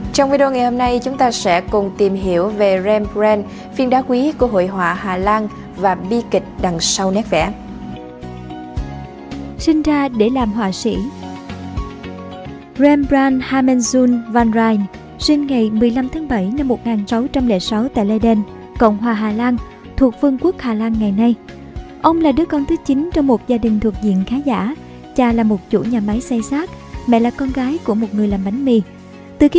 trong video ngày hôm nay chúng ta sẽ cùng tìm hiểu về rembrandt phiên đá quý của hội họa hà lan và bi kịch đằng sau nét vẽ